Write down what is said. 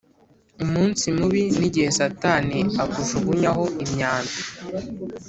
Umunsi mubi nigihe satani akujugunyaho imyambi